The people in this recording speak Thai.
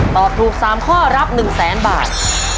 ตอบถูก๓ข้อรับ๑๐๐๐๐๐บาท